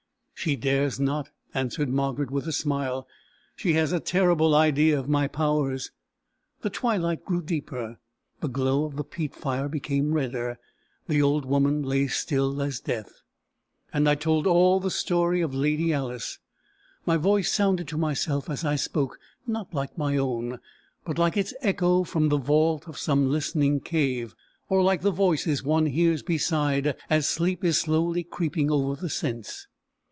"She dares not," answered Margaret, with a smile; "she has a terrible idea of my powers." The twilight grew deeper; the glow of the peat fire became redder; the old woman lay still as death. And I told all the story of Lady Alice. My voice sounded to myself as I spoke, not like my own, but like its echo from the vault of some listening cave, or like the voices one hears beside as sleep is slowly creeping over the sense.